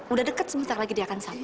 udah deket sebentar lagi dia akan sampai